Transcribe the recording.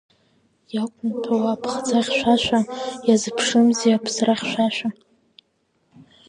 Иақәнаҭәауа аԥхӡы хьшәашәа, иазыԥшымзи аԥсра хьшәашәа.